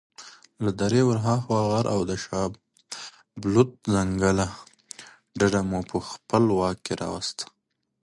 له درې ورهاخوا غر او د شابلوط ځنګله ډډه مو په خپل واک راوسته.